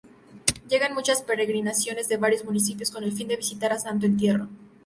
Llegan muchas peregrinaciones de varios municipios con el fin de visitar a Santo Entierro.